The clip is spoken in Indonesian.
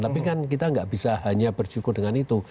tapi kan kita nggak bisa hanya bersyukur dengan itu